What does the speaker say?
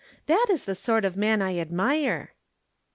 That is the sort of man I admire!"